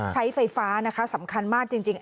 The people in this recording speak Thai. ใช้ไฟฟ้านะคะสำคัญมากจริง